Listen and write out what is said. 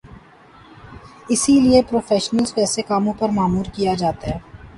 اسی لیے پروفیشنلز کو ایسے کاموں پہ مامور کیا جاتا ہے۔